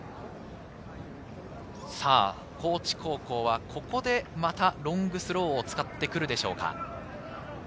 高知高校はここでまたロングスローを使ってくるでしょうか。